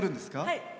はい。